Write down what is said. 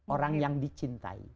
orang yang dicintai